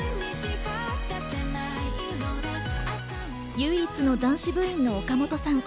唯一の男子部員の岡本さん。